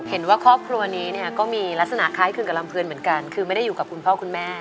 เห็นว่าครอบครัวนี้เนี่ยก็มีลักษณะคล้ายคลึงกับลำเพลินเหมือนกันคือไม่ได้อยู่กับคุณพ่อคุณแม่